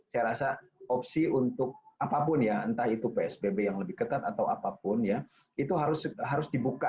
saya rasa opsi untuk apapun ya entah itu psbb yang lebih ketat atau apapun ya itu harus dibuka